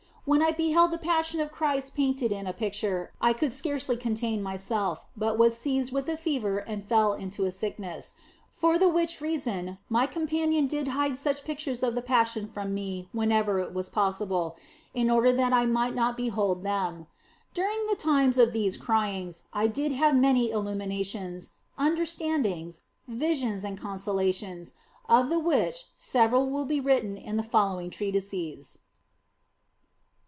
When I beheld the Passion of Christ painted in a picture I could scarce contain myself, but was seized with a fever and fell into a sickness ; for the which reason my companion did hide such pictures of the Passion from me whenever it was possible, in order that I might not behold them. During the times of these cryings I did have many illuminations, understandings, visions, and consolations, of the which several will be written down in the following treatises.